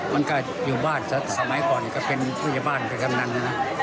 มันก็อยู่บ้านสมัยก่อนก็เป็นผู้ใหญ่บ้านเป็นกำนันนะ